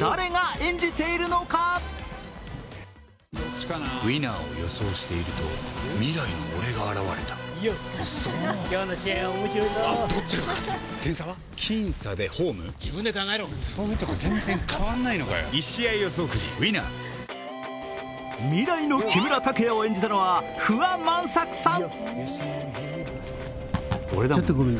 誰が演じているのか未来の木村拓哉を演じたのは不破万作さん。